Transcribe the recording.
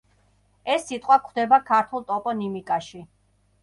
ეს სიტყვა გვხვდება ქართულ ტოპონიმიკაში.